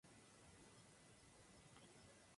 Entró en acción en Holanda.